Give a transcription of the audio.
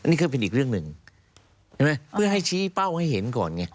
นี่ก็เป็นอีกเรื่องหนึ่งใช่ไหมเพื่อให้ชี้เป้าให้เห็นก่อนไง